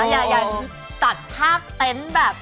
อย่าตัดภาพเต็นต์แบบ